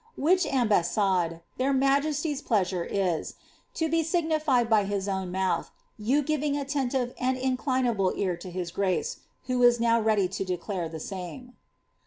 Which ambassade (their majesty's pleasure is) to bo 5i;{nified by his own mouth, fou giving attentive and inclinable ear to his grace, who is now ready to declare iha Muno."